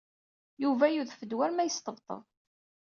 Yuba yudef-d war ma yesṭebṭeb.